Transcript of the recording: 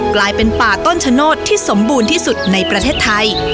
กลายเป็นป่าต้นชะโนธที่สมบูรณ์ที่สุดในประเทศไทย